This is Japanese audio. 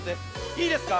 いいですか？